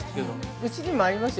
◆うちにもありますよ